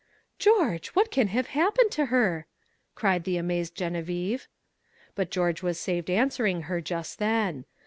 "George, what can have happened to her?" cried the amazed Geneviève. But George was saved answering her just then.